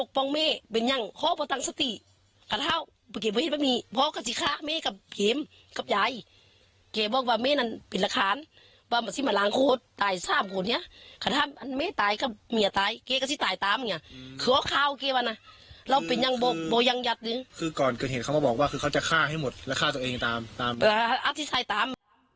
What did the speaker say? ก่อนเกิดเห็นเขาก็บอกว่าคือเขาจะฆ่าให้หมดแล้วฆ่าตัวเองตามตาม